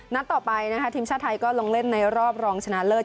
นัดต่อไปนะคะทีมชาติไทยก็ลงเล่นในรอบรองชนะเลิศ